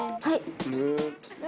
はい。